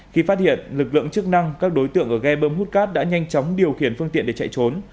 khi phát hiện lực lượng chức năng các đối tượng ở ghe bơm hút cát đã nhanh chóng điều khiển phương tiện để chạy trốn